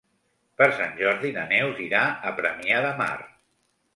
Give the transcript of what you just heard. Per Sant Jordi na Neus irà a Premià de Mar.